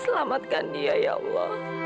selamatkan dia ya allah